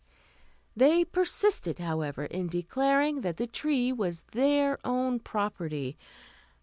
They persisted, however, in declaring that the tree was their own property.